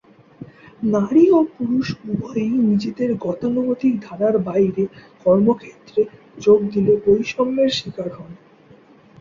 নারী ও পুরুষ উভয়ই নিজেদের গতানুগতিক ধারার বাইরে কর্মক্ষেত্রে যোগ দিলে বৈষম্যের শিকার হন।